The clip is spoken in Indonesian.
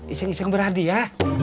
iseng iseng berhadi ya